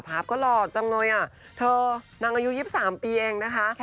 ภาพก็หล่อจังเลยอ่ะเธอนางอายุ๒๓ปีเองนะคะ